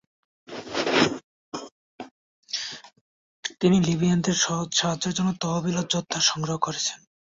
তিনি লিবিয়ানদের সাহায্যের জন্য তহবিল ও যোদ্ধা সংগ্রহ করেছেন।